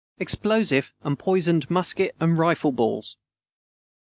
EXPLOSIVE AND POISONED MUSKET AND RIFLE BALLS.